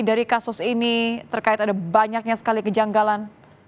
dari kasus ini terkait ada banyaknya sekali kejanggalan